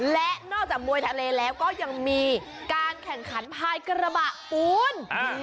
และนอกจากมวยทะเลแล้วก็ยังมีการแข่งขันภายกระบะปูน